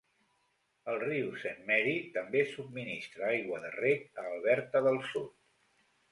El riu Saint Mary també subministra aigua de rec a Alberta del Sud.